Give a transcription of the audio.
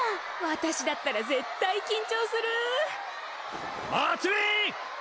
私だったら絶対緊張する！